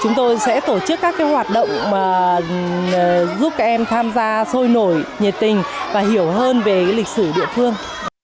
giúp các em hoạt động mà giúp các em tham gia sôi nổi nhiệt tình và hiểu hơn về lịch sử địa phương